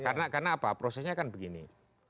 karena apa prosesnya kan begini